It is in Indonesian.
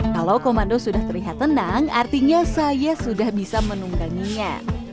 kalau komando sudah terlihat tenang artinya saya sudah bisa menungganginya